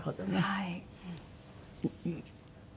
はい。